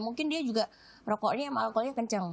mungkin dia juga rokoknya emang alkoholnya kenceng